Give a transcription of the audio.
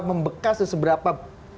membekas dan seberapa